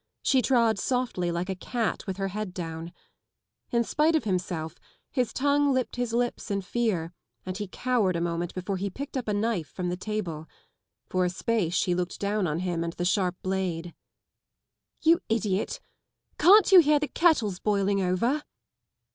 She trod softly like a cat with her head down. In spHe of himself, his tongue licked his lips in fear and he cowered a moment before he picked up a knife from the table. For a space she looked down on him and the sharp blade, *' You idiot, can't you hear the kettle's boiling over?